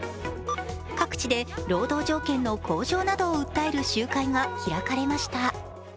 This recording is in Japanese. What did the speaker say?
各地で労働条件の向上などを訴える集会が開かれました。